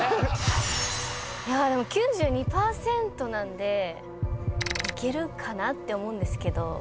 いやでも９２％なんでいけるかなって思うんですけど。